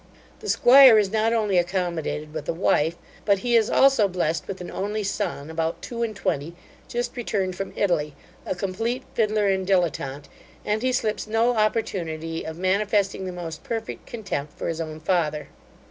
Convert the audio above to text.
The 'squire is not only accommodated with a wife, but he is also blessed with an only son, about two and twenty, just returned from Italy, a complete fidler and dillettante; and he slips no opportunity of manifesting the most perfect contempt for his own father.